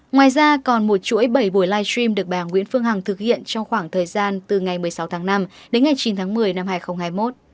ngoài ra còn một chuỗi bảy buổi live stream được bà nguyễn phương hằng thực hiện trong khoảng thời gian từ ngày một mươi sáu tháng năm đến ngày chín tháng một mươi năm hai nghìn hai mươi một